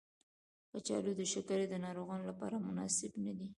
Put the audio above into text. کچالو د شکرې ناروغانو لپاره مناسب ندی.